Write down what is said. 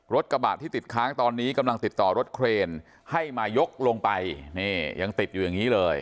รถกระบะที่ติดค้างตอนนี้กำลังติดต่อรถเครนให้มายกลงไปนี่ยังติดอยู่อย่างนี้เลย